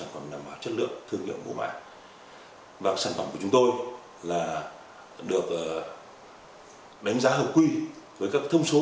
phẩm nằm vào chất lượng thương hiệu mô mã và sản phẩm của chúng tôi là được đánh giá hợp quy với các thông số